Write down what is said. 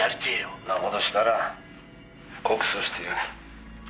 「そんな事したら告訴してやる」